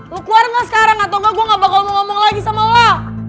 lo keluar gak sekarang atau gak gue gak bakal ngomong lagi sama lo